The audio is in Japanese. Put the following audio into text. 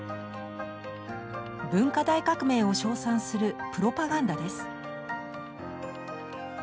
文化大革命を称賛するプロパガンダです。